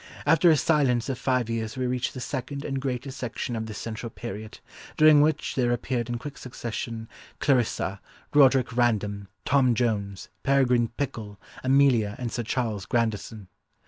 After a silence of five years we reach the second and greatest section of this central period, during which there appeared in quick succession, Clarissa, Roderick Random, Tom Jones, Peregrine Pickle, Amelia and Sir Charles Grandison